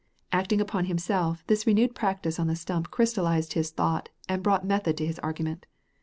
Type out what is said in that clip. Acting upon himself, this renewed practice on the stump crystallized his thought and brought method to his argument.